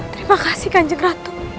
terima kasih kanjeng ratu